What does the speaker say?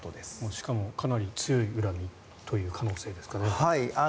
しかもかなり強い恨みという可能性ですかね。